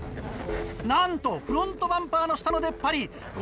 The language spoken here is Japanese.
なんとフロントバンパーの下の出っ張り。